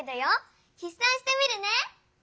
ひっ算してみるね。